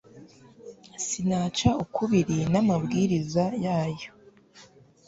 sinaca ukubiri n'amabwiriza yayo